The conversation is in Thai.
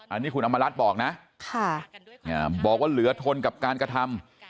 อันนี้คุณอำมารัฐบอกนะบอกว่าเหลือทนกับการกระทำ